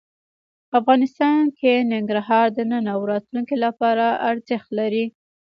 افغانستان کې ننګرهار د نن او راتلونکي لپاره ارزښت لري.